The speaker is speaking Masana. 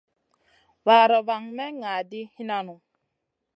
Vaara van may ŋa ɗi hinan nu.